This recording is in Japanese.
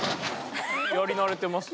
やりなれてますね。